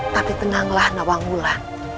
tapi tenanglah nawang bulat